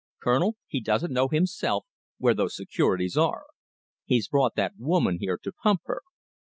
Colonel, he doesn't know himself where those securities are! He's brought that woman here to pump her!"